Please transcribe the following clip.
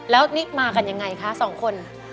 แล้วนี่มากันยังไงคะสองคน